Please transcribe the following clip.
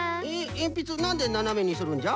えんぴつなんでななめにするんじゃ？